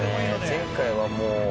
前回はもう。